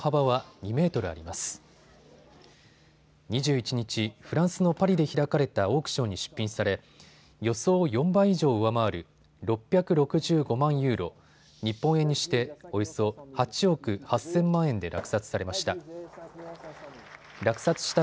２１日、フランスのパリで開かれたオークションに出品され、予想を４倍以上、上回る６６５万ユーロ、日本円にしておよそ８億８０００万円で落札されました。